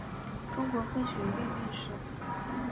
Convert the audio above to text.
中国科学院院士。